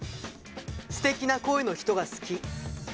「すてきな声の人が好き」。